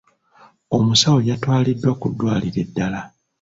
Omusawo yatwaliddwa ku ddwaliro eddala.